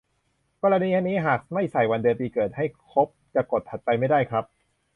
กรณีนี้หากไม่ใส่วันเดือนปีเกิดให้ครบ จะกด "ถัดไป" ไม่ได้ครับ